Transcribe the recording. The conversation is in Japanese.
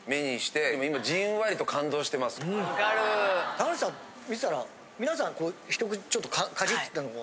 高梨さん見てたら皆さんこうちょっとかじってたのが。